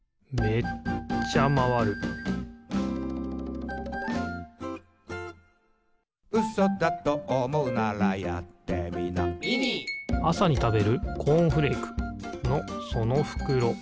めっちゃまわるあさにたべるコーンフレークのそのふくろ。